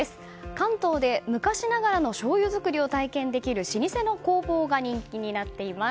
関東で、昔ながらのしょうゆ造りを体験できる老舗の工房が人気になっています。